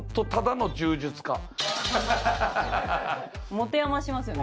持て余しますよね